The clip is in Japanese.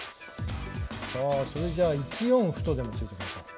それじゃあ１四歩とでも突いときましょう。